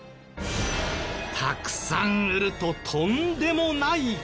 たくさん売るととんでもない事に。